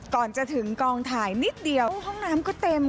ก่อนจะถึงกองถ่ายนิดเดียวห้องน้ำก็เต็ม